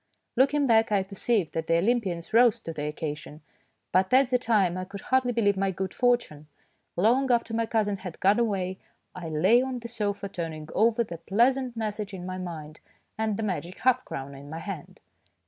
Looking back, I perceive that the Olym pians rose to the occasion, but at the time I could hardly believe my good fortune. Long after my cousin had gone away I lay on the sofa turning over the pleasant message in my mind and the magic half crown in my hand.